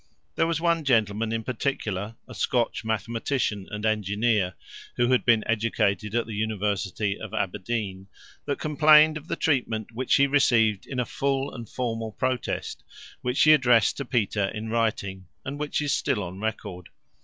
There was one gentleman in particular, a Scotch mathematician and engineer, who had been educated at the University of Aberdeen, that complained of the treatment which he received in a full and formal protest, which he addressed to Peter in writing, and which is still on record.